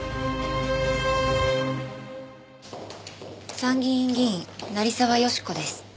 参議院議員成澤良子です。